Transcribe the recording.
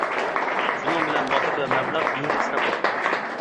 شۇنىڭ بىلەن ۋاقىت ۋە مەبلەغ بىھۇدە ئىسراپ بوپتۇ.